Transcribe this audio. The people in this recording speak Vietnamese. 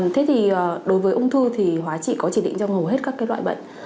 thế thì đối với ung thư thì hóa trị có chỉ định trong hầu hết các loại bệnh